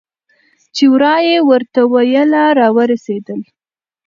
چې ورا یې ورته ویله راورسېدل.